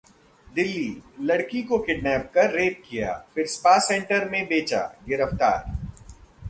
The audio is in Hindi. दिल्लीः लड़की का किडनैप कर रेप किया, फिर स्पा सेंटर में बेचा, गिरफ्तार